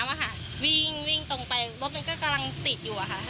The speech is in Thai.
หลบเข่าจากเมื่อตอนแรกวิ่งตรงไปรถกำลังติดอยู่ค่ะ